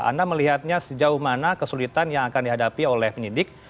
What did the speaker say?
anda melihatnya sejauh mana kesulitan yang akan dihadapi oleh penyidik